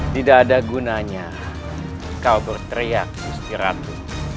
tidak ada gunanya kau berteriak istirahatmu